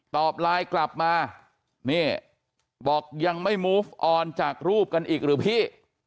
ตอบไลน์กลับมานี่บอกยังไม่มูฟออนจากรูปกันอีกหรือพี่